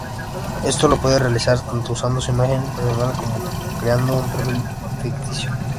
Esto lo puede realizar tanto usando su imagen personal como creando un perfil ficticio.